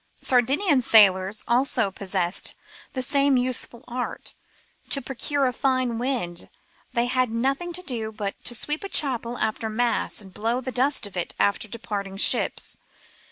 Sardinian sailors also possessed the same useful art ; to procure a fine wind they had nothing to do but to sweep a chapel after mass and blow the dust of it after departing ships.